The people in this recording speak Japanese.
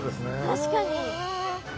確かに。